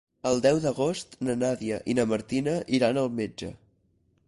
El deu d'agost na Nàdia i na Martina iran al metge.